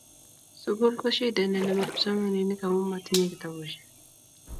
sukul ko shidet nenamei kipsomaninik amu matunyei kitabusiek